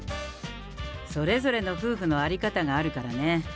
それぞれの夫婦の在り方があるからね。